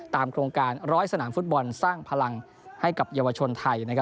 โครงการ๑๐๐สนามฟุตบอลสร้างพลังให้กับเยาวชนไทย